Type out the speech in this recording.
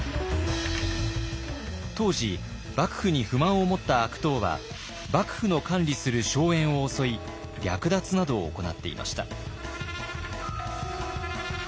当時幕府に不満を持った悪党は幕府の管理する荘園を襲い略奪などを行っていました。